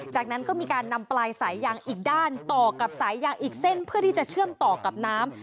จากนั้นก็มีการนำปลายสายยางอีกด้านต่อกับสายยางอีกเส้นเพื่อที่จะเชื่อมต่อกับน้ำ